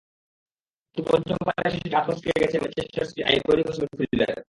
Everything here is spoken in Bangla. কিন্তু পঞ্চমবার এসে সেটি হাত ফসকে গেছে ম্যানচেস্টার সিটির আইভরি কোস্ট মিডফিল্ডারের।